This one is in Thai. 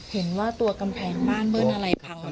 เห็นว่าตัวกำแผงบ้านเบอร์นอะไรเขาเลย